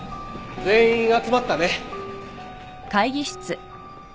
全員集まったね。